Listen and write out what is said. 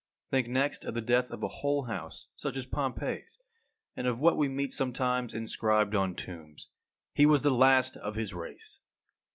Think next of the death of a whole house, such as Pompey's, and of what we meet sometimes inscribed on tombs: He was the last of his race.